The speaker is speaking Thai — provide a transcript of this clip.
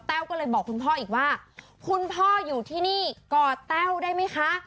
ก็เลยบอกคุณพ่ออีกว่าคุณพ่ออยู่ที่นี่ก่อแต้วได้ไหมคะ